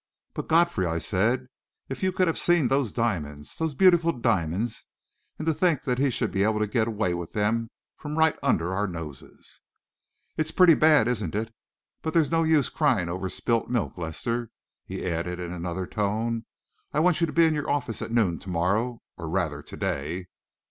"But, Godfrey," I said, "if you could have seen those diamonds those beautiful diamonds and to think he should be able to get away with them from right under our noses!" "It's pretty bad, isn't it? But there's no use crying over spilt milk. Lester," he added, in another tone, "I want you to be in your office at noon to morrow or rather, to day."